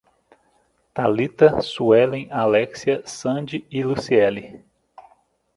Thalita, Suellen, Alexia, Sandy e Luciele